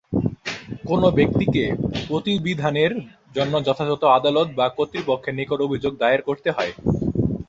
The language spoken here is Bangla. কোনো ব্যক্তিকে প্রতিবিধানের জন্য যথাযথ আদালত বা কর্তৃপক্ষের নিকট অভিযোগ দায়ের করতে হয়।